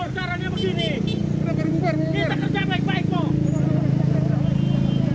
mau caranya begini kita kerja baik baik kok